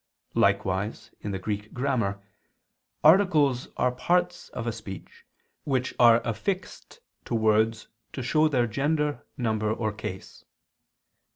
Likewise, in the Greek grammar, articles are parts of speech which are affixed to words to show their gender, number or case.